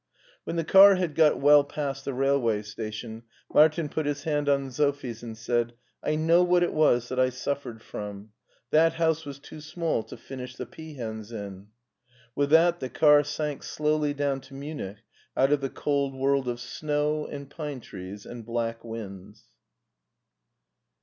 When the car had got well past the railway station, Martin put his hand on Sophie's and said :" I know what it was that I suffered from. That house was too small to finish the peahens in." With that the car sank slowly down to Munich out of the cold world of snow and pine trees and black winds.